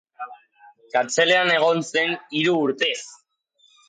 Kartzelan egon zen hiru urtez.